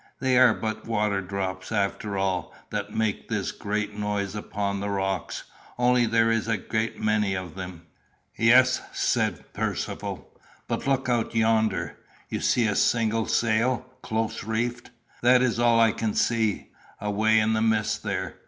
"They are but water drops, after all, that make this great noise upon the rocks; only there is a great many of them." "Yes," said Percivale. "But look out yonder. You see a single sail, close reefed that is all I can see away in the mist there?